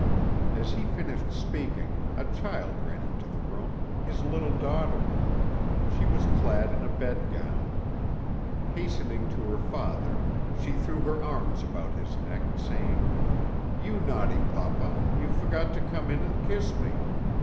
As he finished speaking, a child ran into the room—his little daughter. She was clad in a bedgown. Hastening to her father she threw her arms about his neck, saying: "You naughty papa, you forgot to come in and kiss me.